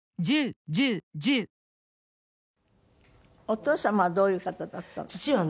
お父様はどういう方だったの？